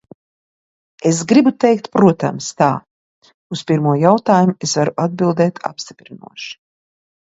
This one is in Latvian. Es gribu teikt, protams, tā: uz pirmo jautājumu es varu atbildēt apstiprinoši.